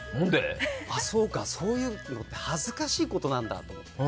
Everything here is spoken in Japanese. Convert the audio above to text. そうか、そういうのって恥ずかしいことなんだと思って。